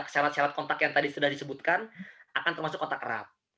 syarat syarat kontak yang tadi sudah disebutkan akan termasuk kontak erat